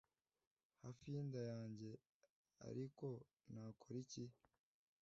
hafi yinda yanjye, ariko nakora iki?